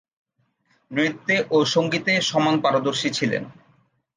নৃত্যে ও সঙ্গীতে সমান পারদর্শী ছিলেন।